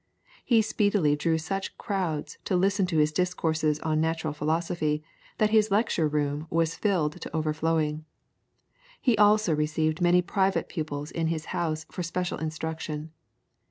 He speedily drew such crowds to listen to his discourses on Natural Philosophy that his lecture room was filled to overflowing. He also received many private pupils in his house for special instruction.